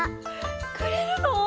くれるの？